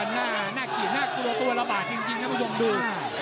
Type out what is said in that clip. น่ากินน่ากลัวตัวระบาดจริงท่านผู้ชมดู